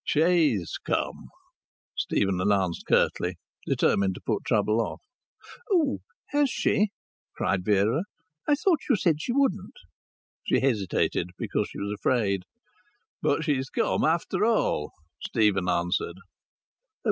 "She's come," Stephen announced curtly, determined to put trouble off. "Oh, has she?" cried Vera. "I thought you said she wouldn't." "She hesitated, because she was afraid. But she's come after all," Stephen answered.